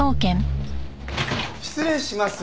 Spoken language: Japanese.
失礼します。